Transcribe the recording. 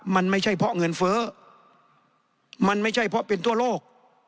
มันไม่ใช่เพราะเงินเฟ้อมันไม่ใช่เพราะเป็นทั่วโลก